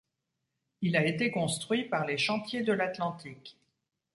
Il a été construit par les Chantiers de l'Atlantique.